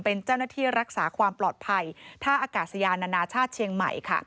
เป็นเจ้าหน้าที่รักษาความปลอดภัยท่าอากาศยานานาชาติเชียงใหม่